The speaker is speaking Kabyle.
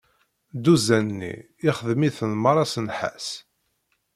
Dduzan-nni ixdem-iten meṛṛa s nnḥas.